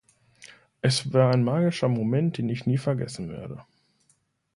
Es war ein magischer Moment, den ich nie vergessen werde.